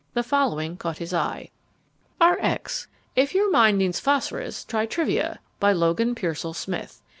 The following caught his eye: RX If your mind needs phosphorus, try "Trivia," by Logan Pearsall Smith.